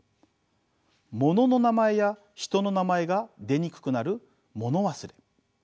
物の名前や人の名前が出にくくなる物忘れ。